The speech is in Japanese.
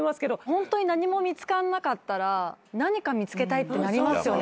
ホントに何も見つからなかったら何か見つけたいってなりますよね